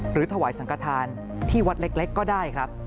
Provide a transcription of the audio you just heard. ถวายสังกฐานที่วัดเล็กก็ได้ครับ